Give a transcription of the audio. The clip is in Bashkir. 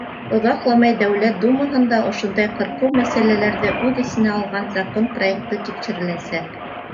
Оҙаҡламай Дәүләт Думаһында ошондай ҡырҡыу мәсьәләләрҙе үҙ эсенә алған закон проекты тикшереләсәк.